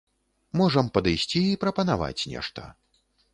Можам падысці і прапанаваць нешта.